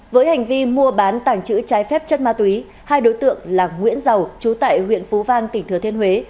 với hành vi mua bán tảng chữ trái phép chất ma túy hai đối tượng là nguyễn dầu trú tại huyện phú vang tỉnh thừa thiên huế